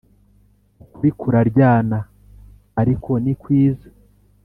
ukuri kuraryana ariko nikwiza